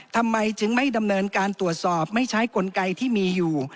ทำไมจึงไม่ดำเนินการตรวจสอบไม่ใช้กลไกที่มีอยู่